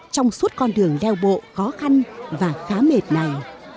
trong suốt con đường đeo bộ khó khăn và khá mệt này